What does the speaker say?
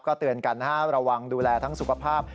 ก็เตือนกันนะฮะระวังดูแลทั้งสุขภาพ